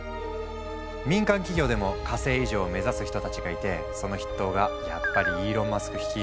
民間企業でも火星移住を目指す人たちがいてその筆頭がやっぱりイーロン・マスク率いるスペースＸ。